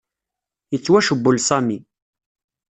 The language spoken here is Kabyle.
Yettwacewwel Sami.